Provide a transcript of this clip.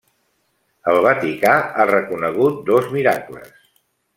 El Vaticà ha reconegut dos miracles.